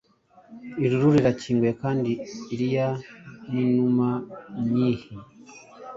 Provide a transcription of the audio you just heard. Ijuru rirakinguye, kandi ria ninuma nyinhi